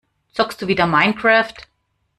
Zockst du wieder Minecraft?